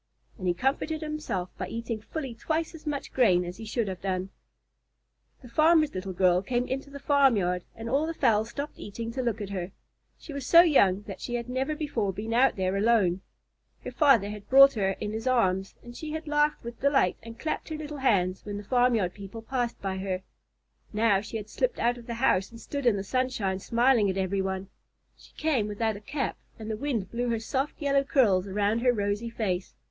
And he comforted himself by eating fully twice as much grain as he should have done. The farmer's little girl came into the farmyard, and all the fowls stopped eating to look at her. She was so young that she had never before been out there alone. Her father had brought her in his arms, and she had laughed with delight and clapped her little hands when the farmyard people passed by her. Now she had slipped out of the house and stood in the sunshine smiling at every one. She came without a cap, and the wind blew her soft yellow curls around her rosy face.